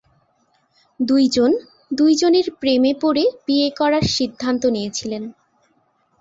দুই জন দুইজনের প্রেমে পড়ে বিয়ে করার সিদ্ধান্ত নিয়েছিলেন।